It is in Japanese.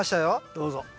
どうぞ。